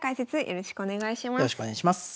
よろしくお願いします。